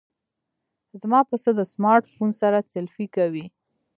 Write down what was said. زما پسه د سمارټ فون سره سیلفي کوي.